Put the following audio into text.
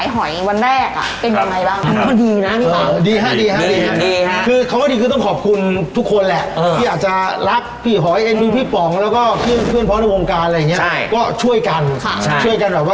ช่วยกันอำช่วยกันเล่นช่วยกันแซว